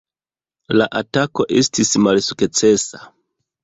La atako estis malsukcesa.